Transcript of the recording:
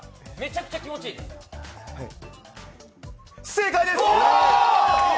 正解です！